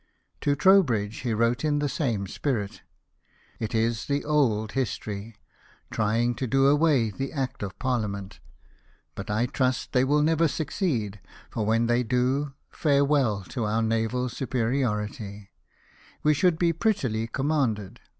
To Trowbridge he wrote in the same spirit. '' It is the old history, trying to do away the Act of ParHament ; but I trust they will never succeed, for when they do, farewell to our naval HIS LOVE FOR THE NAVY. 275 superiority. We should be prettily commanded